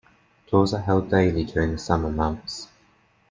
Tours are held daily during the summer months.